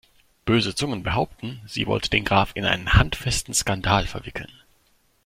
Böse Zungen behaupten, sie wollte den Graf in einen handfesten Skandal verwickeln.